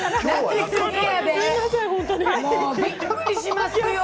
もうびっくりしますよ！